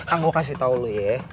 ang gue kasih tau lu ya